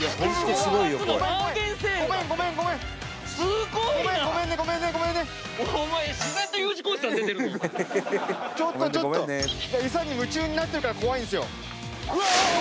すごいなちょっとちょっとエサに夢中になってるから怖いんですようわ